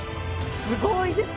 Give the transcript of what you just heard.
すごいですね！